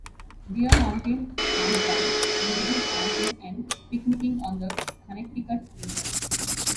Deer Mountain Campground enables camping and picnicking on the Connecticut River.